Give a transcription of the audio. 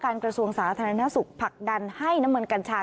กระทรวงสาธารณสุขผลักดันให้น้ำมันกัญชา